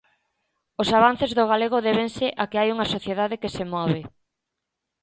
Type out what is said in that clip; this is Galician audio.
Os avances do galego débense a que hai unha sociedade que se move.